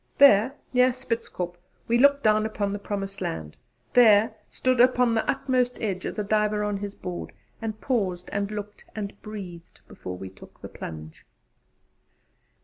There, near Spitzkop, we looked down upon the promised land; there, stood upon the outmost edge, as a diver on his board, and paused and looked and breathed before we took the plunge.